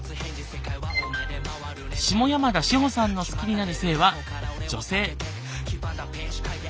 下山田志帆さんの好きになる性は女性。